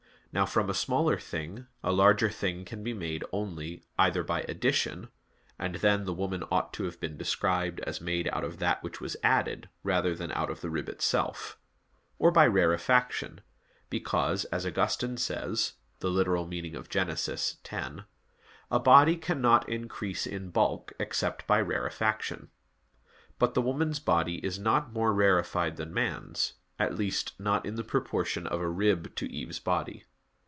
Now from a smaller thing a larger thing can be made only either by addition (and then the woman ought to have been described as made out of that which was added, rather than out of the rib itself) or by rarefaction, because, as Augustine says (Gen. ad lit. x): "A body cannot increase in bulk except by rarefaction." But the woman's body is not more rarefied than man's at least, not in the proportion of a rib to Eve's body.